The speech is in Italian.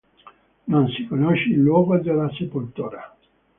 Non si conosce il luogo della sepoltura.